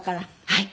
はい。